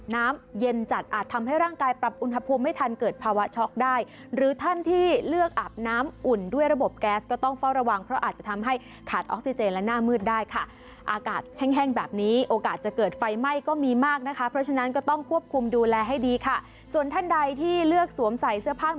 น้ำเย็นจัดอาจทำให้ร่างกายปรับอุณหภูมิไม่ทันเกิดภาวะช็อกได้หรือท่านที่เลือกอาบน้ำอุ่นด้วยระบบแก๊สก็ต้องเฝ้าระวังเพราะอาจจะทำให้ขาดออกซิเจนและหน้ามืดได้ค่ะอากาศแห้งแห้งแบบนี้โอกาสจะเกิดไฟไหม้ก็มีมากนะคะเพราะฉะนั้นก็ต้องควบคุมดูแลให้ดีค่ะส่วนท่านใดที่เลือกสวมใส่เสื้อผ้า